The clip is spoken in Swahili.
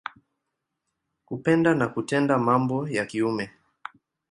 Kupenda na kutenda mambo ya kiume.